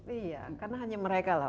iya karena hanya mereka lah